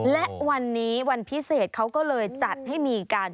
และวันนี้วันพิเศษเขาก็เลยจัดให้มีการ